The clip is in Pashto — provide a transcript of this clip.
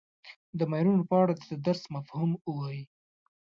د ماینونو په اړه دې د درس مفهوم ووایي.